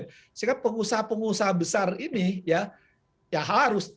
sehingga pengusaha pengusaha besar ini ya harus